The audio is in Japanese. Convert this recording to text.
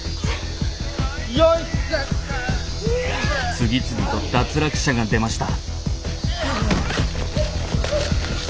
次々と脱落者が出ました。